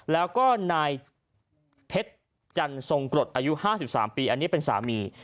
แล้วก็นายเพชรจันทรงกรดอายุ๕๓ปีอันนี้เป็นสามี